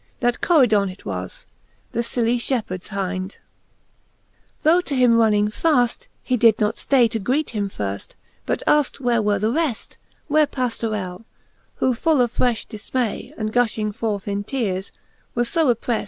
That Coridon it was, the filly fliepherds hynd. XXVIIL Tho to him running faft, he did not flay To greet him firft, but afkt where were the reft j, Where Pajlorellf who full of frefli difmay, And guihing forth in teares, was fo oppreft.